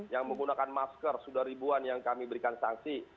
yang menggunakan masker sudah ribuan yang kami berikan sanksi